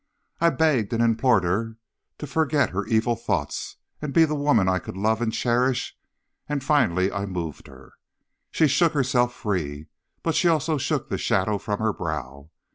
I begged and implored her to forget her evil thoughts, and be the woman I could love and cherish; and finally I moved her. She shook herself free, but she also shook the shadow from her brow.